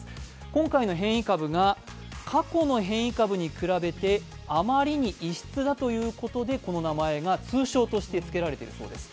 今回の変異株が過去の変異株に比べてあまりに異質だということでこの名前が通称としてつけられているそうです。